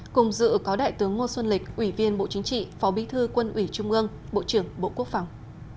cùng dự có đại tướng ngô xuân lịch ủy viên bộ chính trị phó bí thư quân ủy trung ương bộ trưởng bộ quốc phòng